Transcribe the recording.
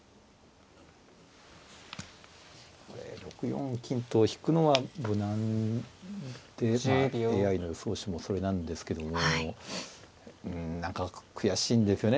６四金と引くのは無難でまあＡＩの予想手もそれなんですけどもうん何か悔しいんですよね